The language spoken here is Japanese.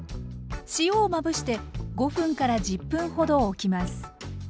塩をまぶして５分から１０分ほどおきます。